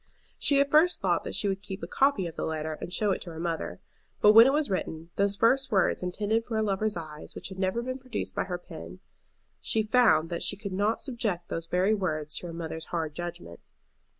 She at first thought that she would keep a copy of the letter and show it to her mother. But when it was written, those first words intended for a lover's eyes which had ever been produced by her pen, she found that she could not subject those very words to her mother's hard judgment.